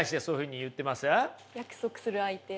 約束する相手。